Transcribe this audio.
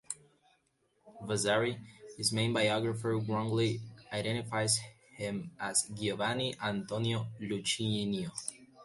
Vasari, his main biographer, wrongly identifies him as Giovanni Antonio Licinio.